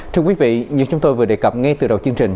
thưa quý vị như chúng tôi vừa đề cập ngay từ đầu chương trình